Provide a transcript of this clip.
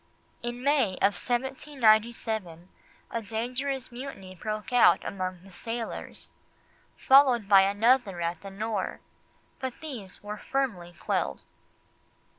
In May of 1797 a dangerous mutiny broke out among the sailors, followed by another at the Nore, but these were firmly quelled.